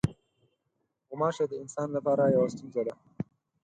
غوماشې د انسان لپاره یوه ستونزه ده.